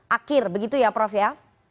akhir begitu ya prof ya